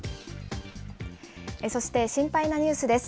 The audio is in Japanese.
そして心配なニュースです。